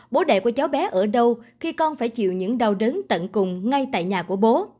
bố đệ của cháu bé ở đâu khi con phải chịu những đau đớn tận cùng ngay tại nhà của bố